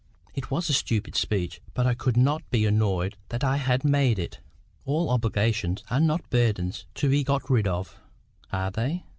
It was a stupid speech, but I could not be annoyed that I had made it. "All obligations are not burdens to be got rid of, are they?"